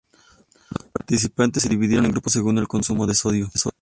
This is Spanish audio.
Los participantes se dividieron en grupos según el consumo de sodio.